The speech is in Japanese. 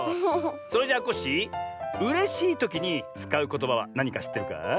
それじゃコッシーうれしいときにつかうことばはなにかしってるか？